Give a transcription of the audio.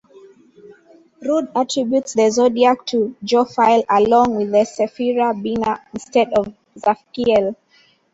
Rudd attributes the Zodiac to Jophiel along with the Sephira Binah instead of Zaphkiel.